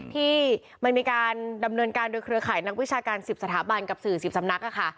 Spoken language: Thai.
ที่มันมีการดำเนินการโดยเครือข่ายนักวิชาการ๑๐สถาบันกับสื่อ๑๐สำนัก